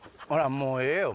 もうええよ。